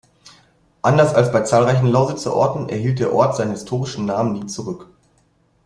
Anders als bei zahlreichen Lausitzer Orten erhielt der Ort seinen historischen Namen nie zurück.